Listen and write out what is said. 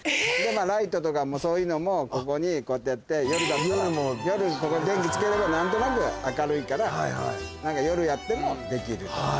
ライトとかもそういうのもここにこうやってやって夜だったら夜ここ電気つければ何となく明るいから何か夜やってもできると。